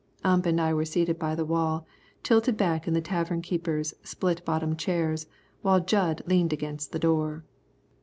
Ump and I were seated by the wall, tilted back in the tavern keeper's split bottom chairs, while Jud leaned against the door.